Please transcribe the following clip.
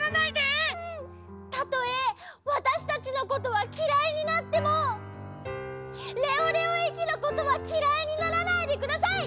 たとえわたしたちのことはきらいになってもレオレオ駅のことはきらいにならないでください！